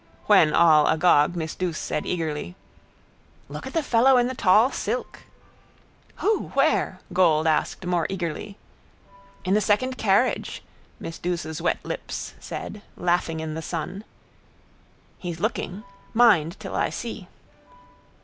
When all agog miss Douce said eagerly: —Look at the fellow in the tall silk. —Who? Where? gold asked more eagerly. —In the second carriage, miss Douce's wet lips said, laughing in the sun. He's looking. Mind till I see.